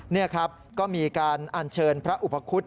นี่ครับก็มีการอัญเชิญพระอุปคุฎ